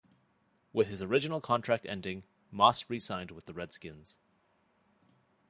With his original contract ending, Moss re-signed with the Redskins.